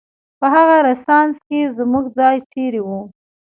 په هغه رنسانس کې زموږ ځای چېرې و؟